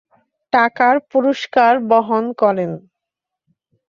টাকার পুরস্কার বহন করেন।